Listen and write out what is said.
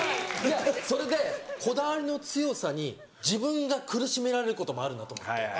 それでこだわりの強さに自分が苦しめられることもあるなと思って。